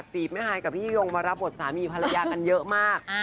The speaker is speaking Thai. แม่ฮายกับพี่ยงมารับบทสามีภรรยากันเยอะมาก